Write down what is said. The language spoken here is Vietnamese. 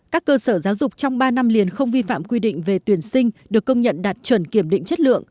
các cơ sở giáo dục trong ba năm liền không vi phạm quy định về tuyển sinh được công nhận đạt chuẩn kiểm định chất lượng